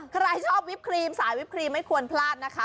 ใครชอบวิปครีมสายวิปครีมไม่ควรพลาดนะคะ